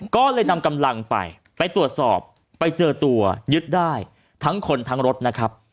ก็เลยนำกำลังไปไปตรวจสอบไปเจอตัวยึดได้ทั้งคนทั้งรถนะครับ